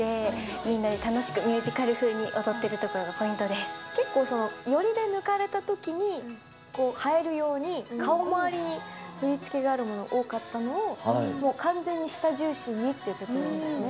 みんなで楽しく、ミュージカル風に踊っているところがポイントで結構寄りで抜かれたときに、映えるように、顔回りに振り付けがあるもの多かったのを、もう完全に下重心に。